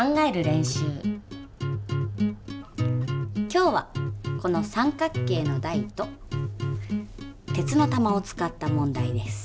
今日はこの三角形の台と鉄の玉を使った問題です。